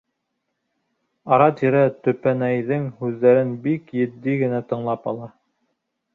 Ара-тирә төпәнәйҙең һүҙҙәрен бик етди генә тыңлап ала.